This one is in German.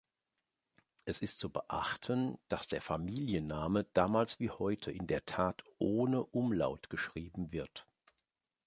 Es ist zu beachten, dass der Familienname damals wie heute in der Tat ohne Umlaut geschrieben wird.